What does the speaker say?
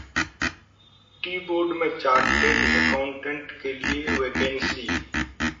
T board में chartered accountant के लिए वैकेंसी